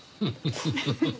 フフフッ。